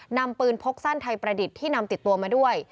นำปืนพกสั้นไทยประดิษฐ์ที่นำติดตัวมาด้วย